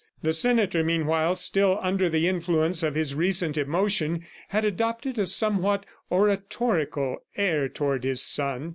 The senator, meanwhile, still under the influence of his recent emotion, had adopted a somewhat oratorical air toward his son.